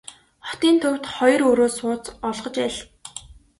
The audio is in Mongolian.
Хотын төвд хоёр өрөө сууц олгож аль.